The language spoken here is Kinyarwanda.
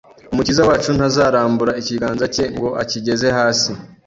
Umukiza wacu ntazarambura ikiganza cye ngo akigeze hasi